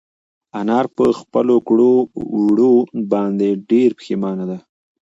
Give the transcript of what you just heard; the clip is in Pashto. انا په خپلو کړو وړو باندې ډېره پښېمانه ده.